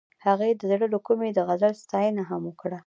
هغې د زړه له کومې د غزل ستاینه هم وکړه.